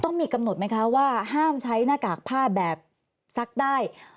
ต้องมีกำหนดไหมคะว่าห้ามใช้หน้ากากผ้าแบบซักได้